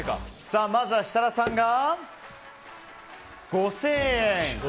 まずは設楽さんが５０００円。